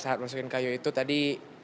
saat masukin kayu itu tadi